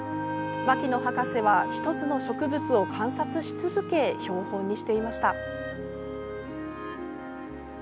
牧野博士は１つの植物を観察し続け標本にしていました。